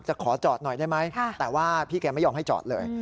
ขอจอดหน่อยได้ไหมแต่ว่าพี่แกไม่ยอมให้จอดเลย